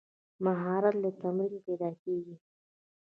مهارت له تمرین پیدا کېږي.